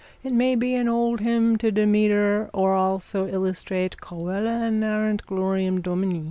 It may be an old hymn to Demeter or also illustrate _Cœla enarrant gloriam Domini.